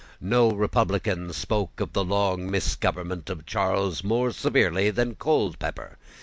No republican spoke of the long misgovernment of Charles more severely than Colepepper.